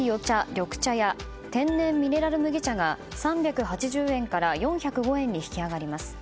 緑茶や天然ミネラル麦茶が３８０円から４０５円に引き上がります。